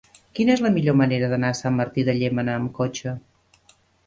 Quina és la millor manera d'anar a Sant Martí de Llémena amb cotxe?